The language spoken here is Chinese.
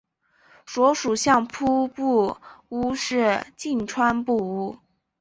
所属相扑部屋是境川部屋。